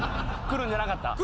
来るんじゃなかったよ